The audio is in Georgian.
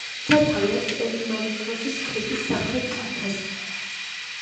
სათავე აქვს ერიმანთოსის ქედის სამხრეთ კალთაზე.